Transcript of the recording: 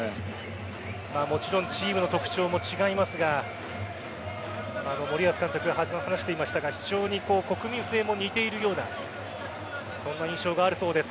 もちろんチームの特徴も違いますが森保監督が話していましたが非常に国民性も似ているようなそんな印象があるそうです。